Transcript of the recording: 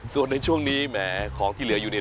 ส่วนในช่วงนี้แหมของที่เหลืออยู่เนี่ย